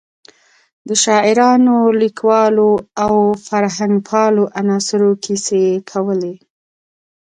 د شاعرانو، لیکوالو او فرهنګپالو عناصرو کیسې کولې.